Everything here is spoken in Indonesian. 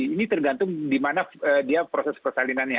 ini tergantung di mana dia proses persalinannya